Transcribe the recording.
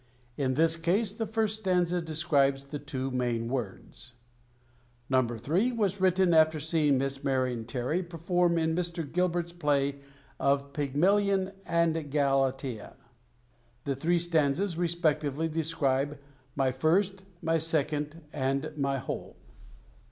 In this case the first stanza describes the two main words. No. III. was written after seeing Miss Marion Terry perform in Mr. Gilbert's play of "Pygmalion and Galatea." The three stanzas respectively describe "My First," "My Second," and "My Whole."